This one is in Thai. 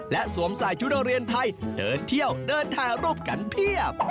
และสวมใส่ชุดนักเรียนไทยเดินเที่ยวเดินถ่ายรูปกันเพียบ